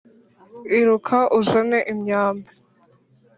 iruka uzane imyambi